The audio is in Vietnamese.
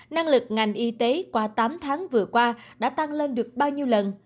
năng lực ngành y tế qua tám tháng vừa qua đã tăng lên được bao nhiêu lần